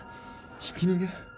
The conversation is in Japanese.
ひき逃げ？